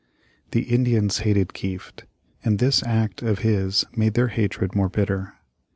The Indians hated Kieft, and this act of his made their hatred more bitter.